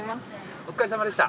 お疲れさまでした。